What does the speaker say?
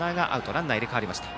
ランナーが入れ替わりました。